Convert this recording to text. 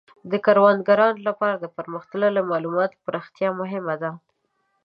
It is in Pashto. د کروندګرانو لپاره د پرمختللو مالوماتو پراختیا مهمه ده.